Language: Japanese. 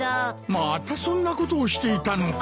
またそんなことをしていたのか！？